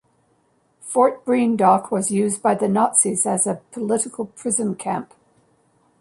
Fort Breendonk was used by the Nazis as a political prison camp.